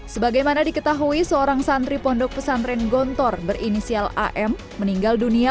sebagaimana diketahui seorang santri pondok pesantren gontor berinisial am meninggal dunia